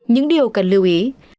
những điều cần lưu ý